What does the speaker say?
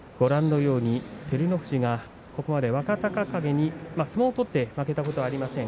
照ノ富士がここまで若隆景に相撲を取って負けたことはありません。